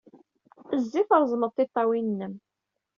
Zzi, treẓmed tiṭṭawin-nnem.